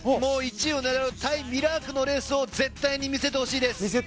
１位を狙う対ミラークのレースを絶対に見せてほしいです。